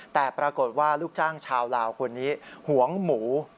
แต่ปรากฏว่าลูกจ้างชาวลาวคนนี้หวงหมู